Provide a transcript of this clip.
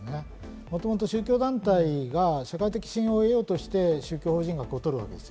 もともと宗教団体が社会的信用を得ようとして宗教法人格をとるわけです。